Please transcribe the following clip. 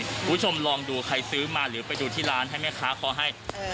คุณผู้ชมลองดูใครซื้อมาหรือไปดูที่ร้านให้แม่ค้าเขาให้